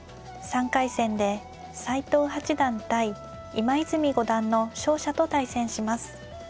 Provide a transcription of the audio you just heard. ３回戦で斎藤八段対今泉五段の勝者と対戦します。